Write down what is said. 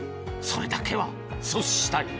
それだけは阻止したい。